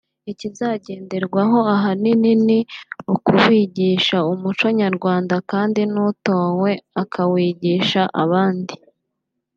ikizagenderwaho ahanini ni ukubigisha umuco nyarwanda kandi n’utowe akawigisha abandi